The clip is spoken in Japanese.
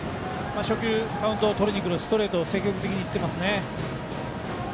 初球カウントをとりにくるストレートを積極的に振ってますね。